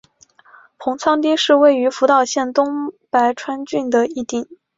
棚仓町是位于福岛县东白川郡的一町。